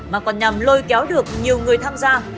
mà còn nhằm lôi kéo được nhiều người tham gia